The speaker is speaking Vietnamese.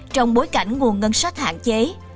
trong bối cảnh nguồn ngân sách hạn chế